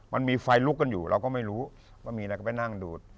มันมีไฟลุกกันอยู่เราก็ไม่รู้ว่ามีอะไรก็ไปนั่งดูด